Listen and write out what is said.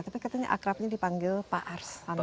tapi katanya akrabnya dipanggil pak ars